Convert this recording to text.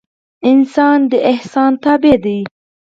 انسان د احسان تابع ده